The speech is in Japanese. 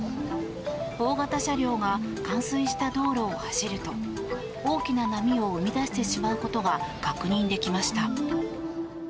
大型車両が冠水した道路を走ると大きな波を生み出してしまうことが確認できました。